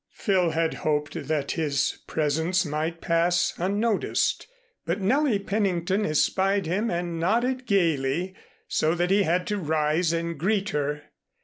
Phil had hoped that his presence might pass unnoticed; but Nellie Pennington espied him and nodded gayly, so that he had to rise and greet her.